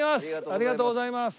ありがとうございます。